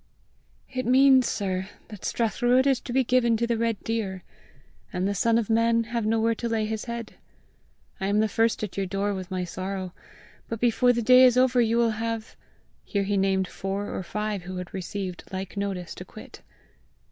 "It means, sir, that Strathruadh is to be given to the red deer, and the son of man have nowhere to lay his head. I am the first at your door with my sorrow, but before the day is over you will have " Here he named four or five who had received like notice to quit.